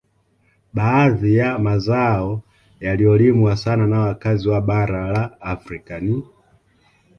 Baadhi ya mazao yaliyolimwa sana na wakazi wa bara la Afrika ni